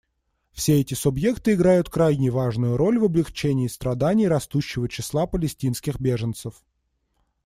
Все эти субъекты играют крайне важную роль в облегчении страданий растущего числа палестинских беженцев.